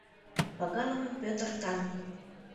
«Пагалыме Пӧтыр таҥ!